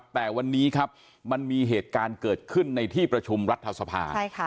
แต่วันนี้ครับมันมีเหตุการณ์เกิดขึ้นในที่ประชุมรัฐสภา